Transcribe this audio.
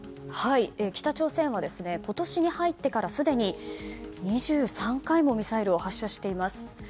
北朝鮮は今年に入ってからすでに２３回もミサイルを発射しています。